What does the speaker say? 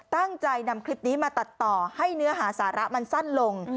ตั้งใจนำคลิปนี้มาตัดต่อให้เนื้อหาสาระมันสั้นลง